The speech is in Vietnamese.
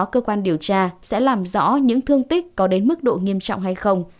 cơ quan điều tra sẽ làm rõ những thương tích có đến mức độ nghiêm trọng hay không